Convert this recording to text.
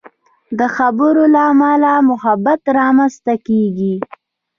د خبرو له امله محبت رامنځته کېږي.